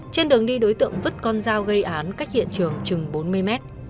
trên đường đi đối tượng vứt con dao gây án cách hiện trường chừng bốn mươi mét